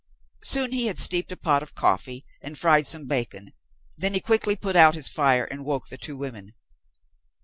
Soon he had steeped a pot of coffee and fried some bacon, then he quickly put out his fire and woke the two women.